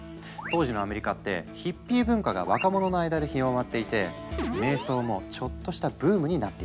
当時のアメリカってヒッピー文化が若者の間で広まっていて瞑想もちょっとしたブームになっていたんだ。